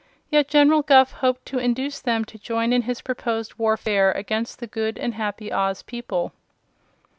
Yet General Guph hoped to induce them to join in his proposed warfare against the good and happy Oz people.